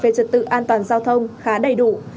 về trật tự an toàn giao thông khá đầy đủ